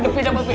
aduh tidak bapak